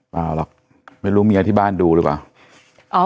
หรอกไม่รู้เมียที่บ้านดูหรือเปล่า